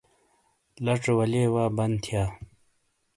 لژے والے وا بن تھیا۔